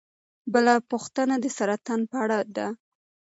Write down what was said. بله پوښتنه د سرطان په اړه ده.